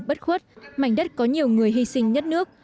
bất khuất mảnh đất có nhiều người hy sinh nhất nước